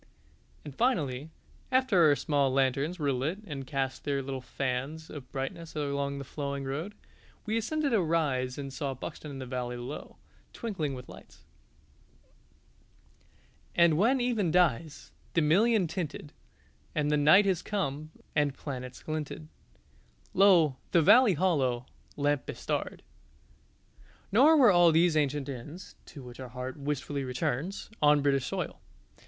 And finally, after our small lanterns were lit and cast their little fans of brightness along the flowing road, we ascended a rise and saw Buxton in the valley below, twinkling with lights "_And when even dies, the million tinted, And the night has come, and planets glinted Lo, the valley hollow Lamp bestarred!_" Nor were all these ancient inns (to which our heart wistfully returns) on British soil.